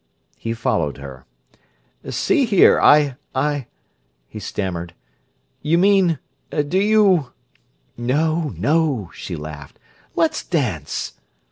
He followed her. "See here—I—I—" he stammered. "You mean—Do you—" "No, no!" she laughed. "Let's dance!"